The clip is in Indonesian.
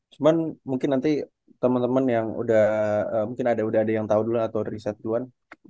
cuman mungkin nanti teman teman yang udah mungkin udah ada yang tahu dulu atau riset duluan